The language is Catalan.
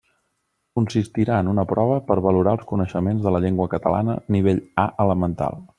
Consistirà en una prova per valorar els coneixements de la llengua catalana nivell A elemental.